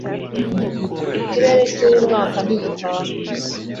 Ikirere cyuyu mwaka ntigisanzwe.